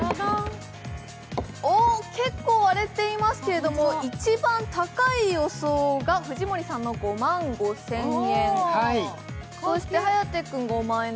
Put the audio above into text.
結構割れていますけど、一番高い予想が藤森さんの５万５０００円。